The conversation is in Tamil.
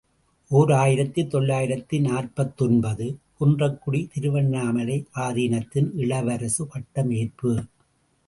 ஓர் ஆயிரத்து தொள்ளாயிரத்து நாற்பத்தொன்பது ● குன்றக்குடித் திருவண்ணாமலை ஆதீனத்தின் இளவரசு பட்டம் ஏற்பு.